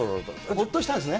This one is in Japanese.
ほっとしたんですね。